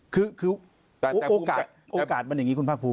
คือโอกาสมันอย่างนี้คุณภาคภูมิ